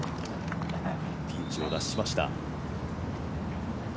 ピンチを脱しました。